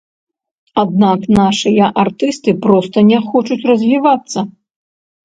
Аднак нашыя артысты проста не хочуць развівацца.